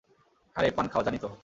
আরে, পান খাও, জানি তো!